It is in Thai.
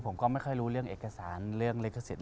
ผมก็ไม่ค่อยรู้เรื่องเอกสารเรื่องลิขสิทธ